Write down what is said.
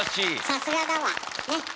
さすがだわねっ。